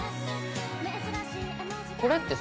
これってさ